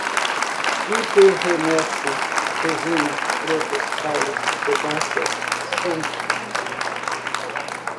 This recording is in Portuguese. hiperêmese, resina, brotos, caules, herbácea, skunk